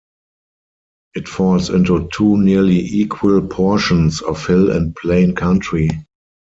It falls into two nearly equal portions of hill and plain country.